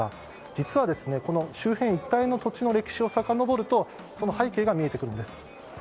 実は周辺一帯の土地の歴史をさかのぼるとその背景が見えてくるんです。